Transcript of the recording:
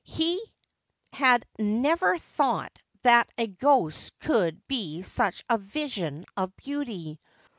He had never thought that a ghost could be such a vision of beauty.